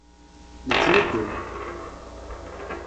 Nettnuddum.